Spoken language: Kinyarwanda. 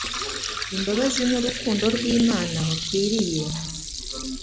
imbabazi, n’urukundo rw’Imana, bakwiriye